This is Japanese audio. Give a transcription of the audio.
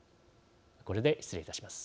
これで失礼いたします。